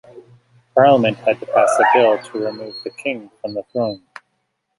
Parliament had to pass a bill to remove the king from the throne.